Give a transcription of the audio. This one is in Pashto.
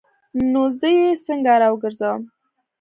نو زه یې څنګه راوګرځوم؟